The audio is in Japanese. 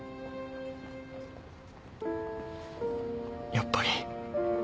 やっぱり。